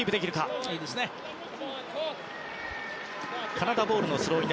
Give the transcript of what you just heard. カナダボールのスローイン。